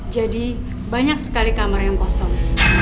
jadi banyak sekali kamar yang kosong